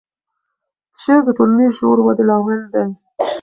شعر د ټولنیز شعور ودې لامل دی.